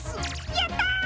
やった！